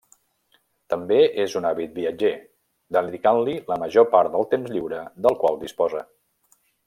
També és un àvid viatger, dedicant-li la major part del temps lliure del qual disposa.